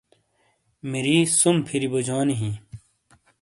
مِری سُم پھِری بوجونی ہِیں۔